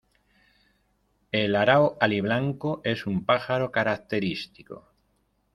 El arao aliblanco es un pájaro característico.